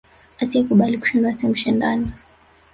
Asiye kubali kushindwa si mshindani